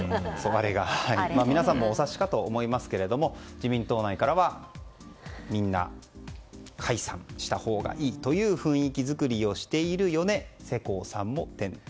皆さんもお察しかと思いますけども自民党内からはみんな解散したほうがいいという雰囲気作りをしているよね世耕さんも。